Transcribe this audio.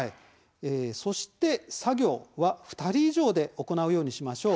そして、作業は２人以上で行うようにしましょう。